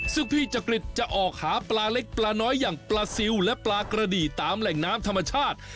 ซึ่งพี่จักริตจะออกหาปลาเล็กปลาน้อยอย่างปลาซิลและปลากระดีตามแหล่งน้ำธรรมชาติ